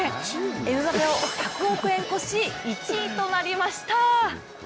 エムバペを１００億円超し、１位となりました。